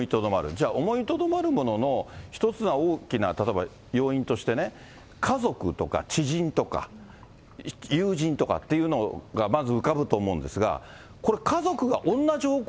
じゃあ、思いとどまるものの一つの大きな、例えば要因としてね、家族とか知人とか、友人とかっていうのがまず浮かぶと思うんですが、これ、家族が同じ方向